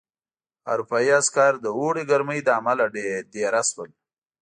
اروپايي عسکر د اوړي ګرمۍ له امله دېره شول.